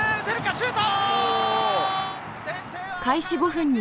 シュート！